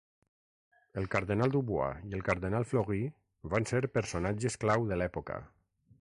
El cardenal Dubois i el cardenal Fleury van ser personatges clau de l'època.